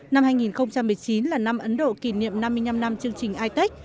năm hai nghìn một mươi chín là năm ấn độ kỷ niệm năm mươi năm năm chương trình itec